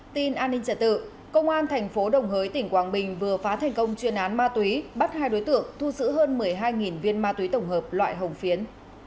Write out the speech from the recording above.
tin an ninh trả tự công an thành phố đồng hới tỉnh quảng bình vừa phá thành công chuyên án ma túy bắt hai đối tượng thu xử hơn một mươi hai viên ma túy tổng hợp loại hồng phiến